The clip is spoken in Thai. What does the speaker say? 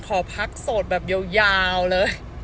ขอพักโสดแบบยาวเลย